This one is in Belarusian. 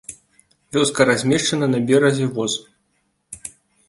Вёска размешчана на беразе воз.